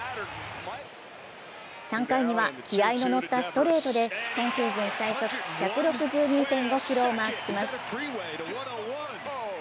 ３回には気合いののったストレートで今シーズン最速１６２．５キロをマークします。